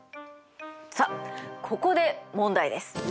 さあここで問題です！